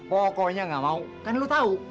pokoknya nggak mau kan lu tahu